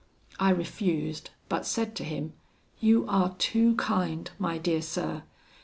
I refused, but said to him, 'You are too kind, my dear sir!